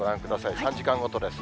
３時間ごとです。